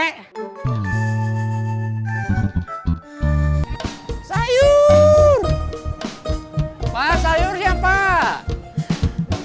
kau mau ngapain